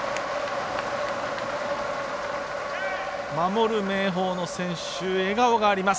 守る明豊の選手笑顔があります。